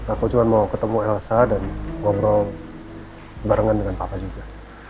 aku cuma mau ketemu elsa dan ngobrol barengan dengan papa juga